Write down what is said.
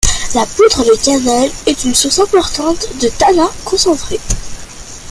La poudre de cannelle est une source importante de tanins concentrés.